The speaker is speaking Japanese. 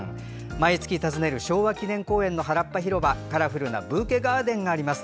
毎月訪ねる昭和記念公園原っぱ広場にカラフルなブーケガーデンがあります。